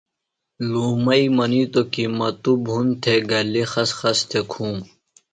لُومئی منیتو کی مہ تو بُھن تھےۡ گلیۡ خس خس تھےۡ کُھوم۔